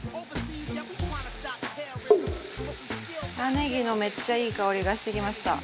ネギのめっちゃいい香りがしてきました。